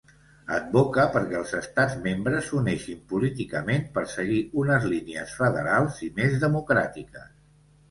Advoca perquè els estats membres s'uneixin políticament per seguir unes línies federals i més democràtiques.